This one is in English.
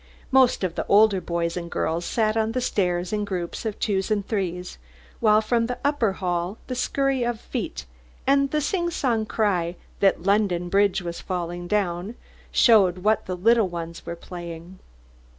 Most of the older boys and girls sat on the stairs in groups of twos and threes, while from the upper hall the scurry of feet, and the singsong cry that London Bridge was falling down, showed what the little ones were playing.